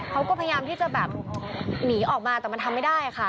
เขาก็พยายามที่จะแบบหนีออกมาแต่มันทำไม่ได้ค่ะ